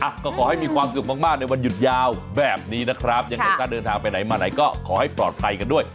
ก็ขอให้มีความสุขมากมากในวันหยุดยาวแบบนี้นะครับยังไงก็เดินทางไปไหนมาไหนก็ขอให้ปลอดภัยกันด้วย